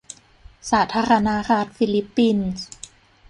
สาธารณรัฐฟิลิปปินส์